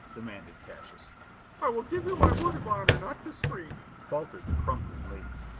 demanded Cassius. "I will give you my word of honor not to scream," faltered the crumpling lady.